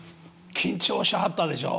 緊張しはったでしょう。